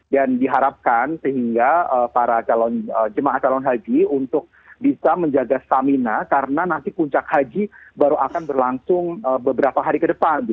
dan diharapkan sehingga para jemaah calon haji untuk bisa menjaga stamina karena nanti kuncak haji baru akan berlangsung beberapa hari ke depan